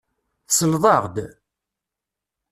Tselleḍ-aɣ-d?